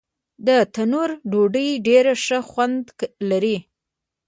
د تندور ډوډۍ ډېر ښه خوند لري.